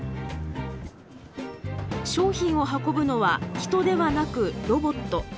商品を運ぶのは人ではなくロボット。